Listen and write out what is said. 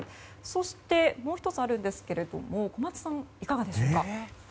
そして、もう１つあるんですが小松さん、いかがですか？